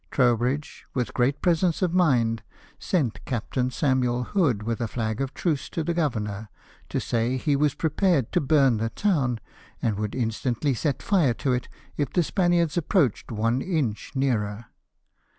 Trowbridge, with great presence of mind, sent Captain Samuel Hood with a flag of truce to the governor, to say he was prepared to burn the town, and would instantly set fire to it if the Spaniards approached one inch nearer.